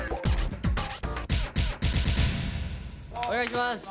お願いします。